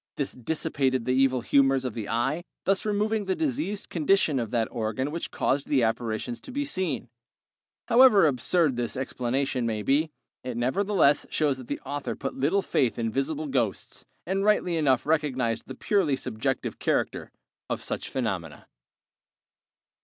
This dissipated the evil humors of the eye, thus removing the diseased condition of that organ which caused the apparitions to be seen. However absurd this explanation may be, it nevertheless shows that the author put little faith in visible ghosts, and rightly enough recognized the purely subjective character of such phenomena.